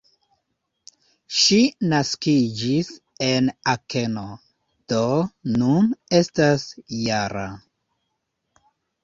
Ŝi naskiĝis en Akeno, do nun estas -jara.